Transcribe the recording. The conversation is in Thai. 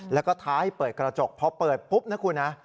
แล้วก็ท้าให้เปิดกระจกเพราะพบนะคุณ